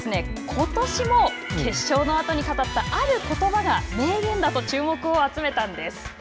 ことしも決勝のあとに語ったあることばが名言だと、注目を集めたんです。